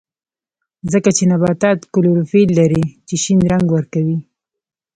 ځکه چې نباتات کلوروفیل لري چې شین رنګ ورکوي